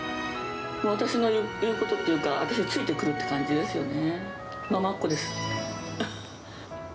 もう私の言うことっていうか、私についてくるって感じですよね。